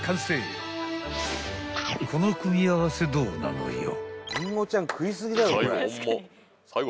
［この組み合わせどうなのよ］